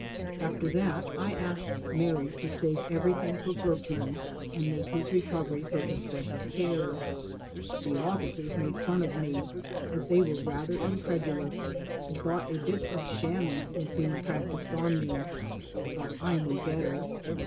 After that I asked Mary to save everything for Burkman and make his recovery her especial care. The officers made fun of me, as they were rather incredulous, and thought a bit of shamming was being practised on me, but I knew better.